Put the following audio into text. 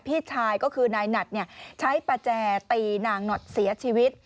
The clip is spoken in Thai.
พี่ชายก็คือนายหนัดใช้ประแจตีนางหนอดเสียชีวิต